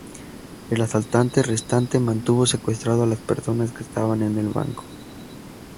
El asaltante restante mantuvo secuestrado a las personas que estaban en el banco.